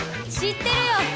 知ってるよ。